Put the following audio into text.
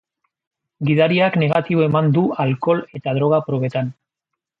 Gidariak negatibo eman du alkohol eta droga probetan.